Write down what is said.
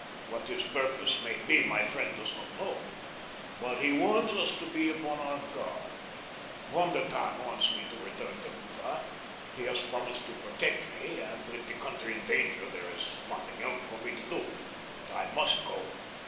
What his purpose may be my friend does not know, but he warns us to be upon our guard. Von der Tann wants me to return to Lutha. He has promised to protect me, and with the country in danger there is nothing else for me to do. I must go."